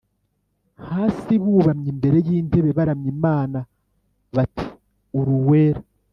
Hasi bubamye imbere y’ intebe baramya Imana bati uruwera